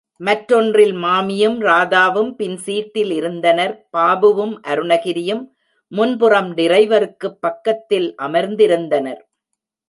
மற்றொன்றில் மாமியும், ராதாவும், பின் சீட்டில் இருந்தனர் பாபுவும், அருணகிரியும் முன்புறம் டிரைவருக்கு பக்கத்தில் அமர்ந்திருந்திருந்தனர்.